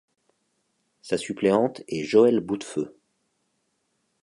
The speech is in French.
Sa suppléante est Joëlle Bouttefeux.